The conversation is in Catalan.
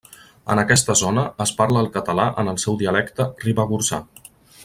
En aquesta zona es parla el català en el seu dialecte ribagorçà.